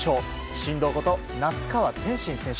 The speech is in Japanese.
神童こと那須川天心選手。